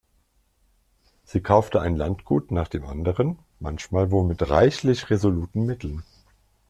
Sie kaufte ein Landgut nach dem anderen, manchmal wohl mit reichlich resoluten Mitteln.